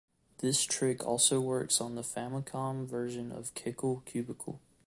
This trick also works on the Famicom version of "Kickle Cubicle".